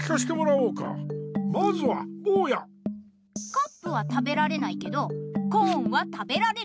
カップは食べられないけどコーンは食べられる。